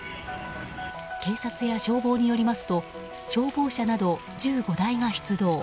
警察や消防によりますと消防車など１５台が出動。